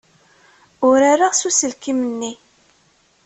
Urareɣ s uselkim-nni.